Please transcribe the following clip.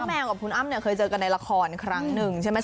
ป้าแมวกับคุณอ้ามเคยเจอกันในละครครั้งนึงใช่ไหม